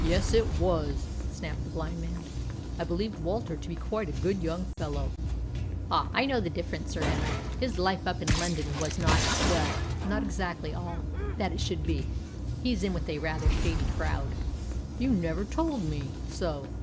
"Yes, it was," snapped the blind man. "I believed Walter to be quite a good young fellow." "Ah, I knew different, Sir Henry. His life up in London was not well, not exactly all that it should be. He's in with a rather shady crowd." "You never told me so."